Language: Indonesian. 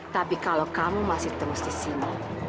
tapi kalau kamu masih terus di sini